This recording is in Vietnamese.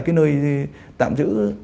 cái nơi tạm giữ